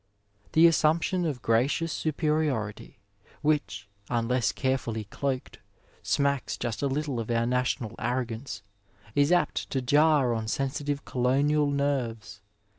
The aasnmp tion of gracious superiority which, unless carefully doaked, smacks just a little of our national arrogance, is apt to jar on sensitive colonial nerves.